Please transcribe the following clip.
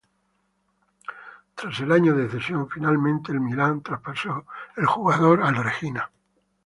Tras el año de cesión, finalmente el Milán traspasó al jugador al Reggina.